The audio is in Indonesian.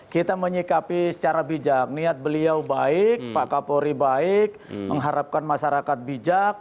kita menyikapi secara bijak niat beliau baik pak kapolri baik mengharapkan masyarakat bijak